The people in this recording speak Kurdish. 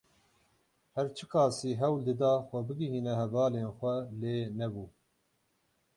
Her çi qasî hewl dida xwe bigihîne hevalên xwe lê nebû.